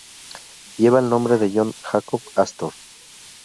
Lleva el nombre de John Jacob Astor.